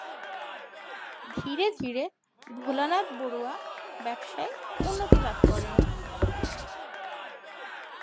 ধীরে ধীরে ভোলানাথ বরুয়া ব্যবসায়ে উন্নতি লাভ করেন।